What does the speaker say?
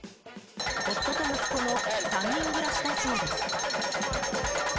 夫と息子の３人暮らしだそうです。